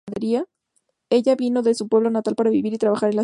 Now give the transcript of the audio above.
Ella vino de su pueblo natal para vivir y trabajar en la ciudad.